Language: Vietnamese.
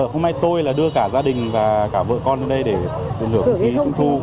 hôm nay tôi đưa cả gia đình và cả vợ con đến đây để tận hưởng không khí trung thu